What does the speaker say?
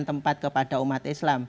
tempat kepada umat islam